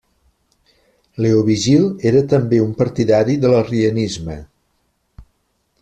Leovigild era també un partidari de l'arrianisme.